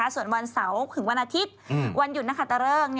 ส่วนวันเสาร์ถึงวันอาทิตย์วันหยุดนะคะตะเริก